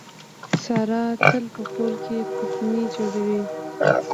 ساره تل په کور کې فتنې جوړوي.